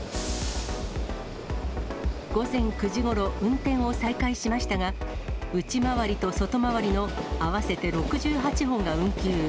午前９時ごろ、運転を再開しましたが、内回りと外回りの合わせて６８本が運休。